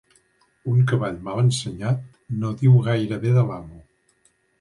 Un cavall mal ensenyat no diu gaire bé de l'amo.